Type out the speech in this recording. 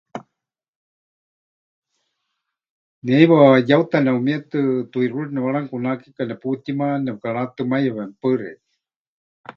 Ne heiwa yeuta neʼumietɨ tuixúri newaranukunakeka neputíma, nepɨkaratɨmaiyawe. Mɨpaɨ xeikɨ́a.